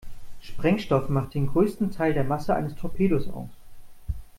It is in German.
Sprengstoff macht den größten Teil der Masse eines Torpedos aus.